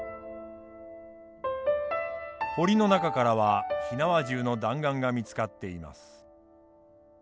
堀の中からは火縄銃の弾丸が見つかっています。